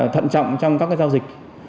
thận trọng trong các giao dịch